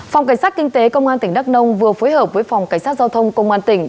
phòng cảnh sát kinh tế công an tỉnh đắk nông vừa phối hợp với phòng cảnh sát giao thông công an tỉnh